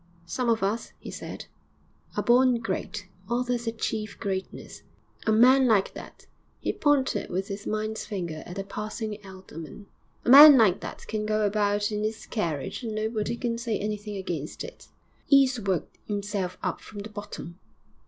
'Some of us,' he said, 'are born great, others achieve greatness. A man like that' he pointed with his mind's finger at a passing alderman 'a man like that can go about in 'is carriage and nobody can say anything against it. 'E's worked 'imself up from the bottom.'